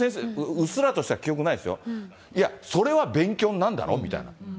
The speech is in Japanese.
うっすらとした記憶しかないですよ、それは勉強になるだろうみたいな。